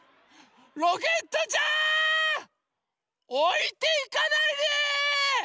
ロケットちゃん！おいていかないで！